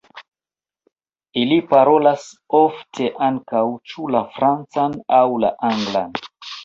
Ili parolas ofte ankaŭ ĉu la francan aŭ la anglan.